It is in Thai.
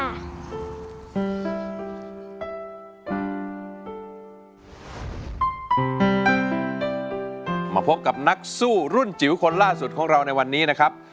มาพบกับนักสู้รุ่นจิ๋วคนล่าสุดของเราในวันนี้นะครับ